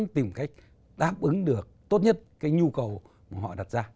cố gắng tìm cách đáp ứng được tốt nhất cái nhu cầu mà họ đặt ra